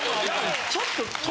ちょっと。